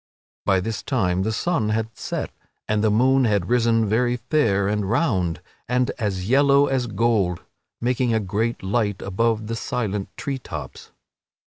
By this time the sun had set and the moon had risen very fair and round and as yellow as gold, making a great light above the silent tree tops.